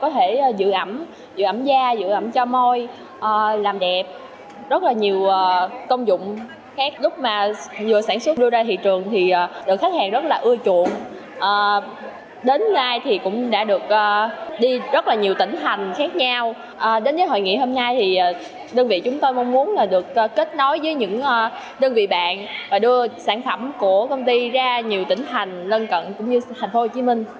hướng ra nhiều tỉnh thành lân cận cũng như thành phố hồ chí minh